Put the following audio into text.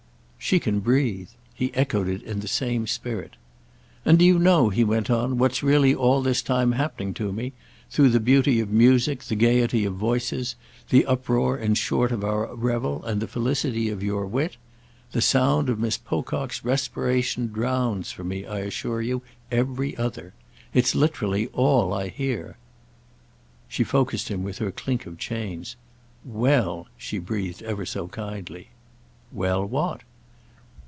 "She can breathe!"—he echoed it in the same spirit. "And do you know," he went on, "what's really all this time happening to me?—through the beauty of music, the gaiety of voices, the uproar in short of our revel and the felicity of your wit? The sound of Mrs. Pocock's respiration drowns for me, I assure you, every other. It's literally all I hear." She focussed him with her clink of chains. "Well—!" she breathed ever so kindly. "Well, what?"